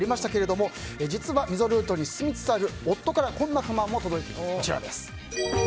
実は溝ルートに進みつつある夫からこんな不満も届いています。